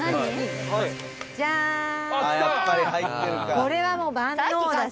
「これはもう、万能だし」